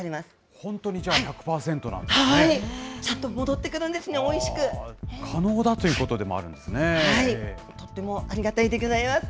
本当にじゃあ１００％なんでちゃんと戻ってくるんですね、可能だということでもあるんとってもありがたいでぎょざいます。